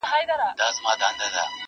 لکه کوچۍ پر ګودر مسته جګه غاړه ونه!!